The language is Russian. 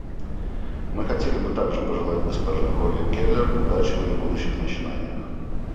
Мы хотели бы также пожелать госпоже Холли Келер удачи в ее будущих начинаниях.